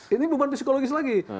ini beban psikologis lagi